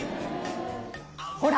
ほら！